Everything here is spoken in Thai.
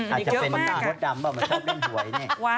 อาจจะเป็นรถดำมันชอบเล่นหวย